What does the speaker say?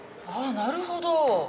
ああなるほど。